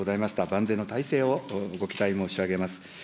万全の態勢をご期待申し上げます。